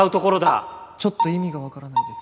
ちょっと意味がわからないです